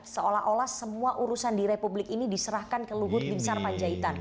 seolah olah semua urusan di republik ini diserahkan ke luhut bin sarpanjaitan